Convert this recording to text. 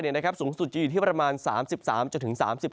เนี้ยนะครับสูงสุดจะอยู่ที่ประมาณสามสิบสามจนถึงสามสิบ